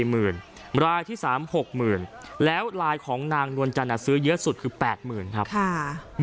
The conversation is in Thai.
หมื่นรายที่๓๖๐๐๐แล้วลายของนางนวลจันทร์ซื้อเยอะสุดคือ๘๐๐๐ครับ